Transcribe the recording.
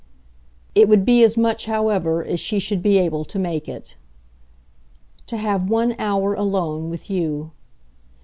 It would be as much, however, as she should be able to make it. "To have one hour alone with you."